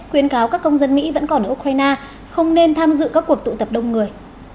khuyến cáo các công dân mỹ vẫn còn ở ukraine không nên tham dự các cuộc tụ tập đông người